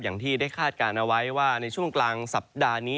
อย่างที่ได้คาดการณ์เอาไว้ว่าในช่วงกลางสัปดาห์นี้